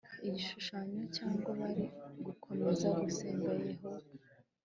igishushanyo cyangwa bari gukomeza gusenga yehova